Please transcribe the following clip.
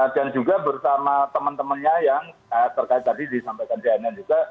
dan juga bertama teman temannya yang terkait tadi disampaikan cnn juga